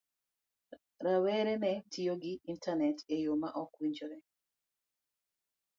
Rowere ne tiyo gi Intanet e yo ma ok owinjore.